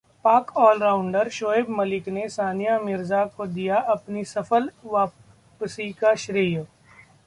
पाक ऑलराउंडर शोएब मलिक ने सानिया मिर्जा को दिया अपनी सफल वापसी का श्रेय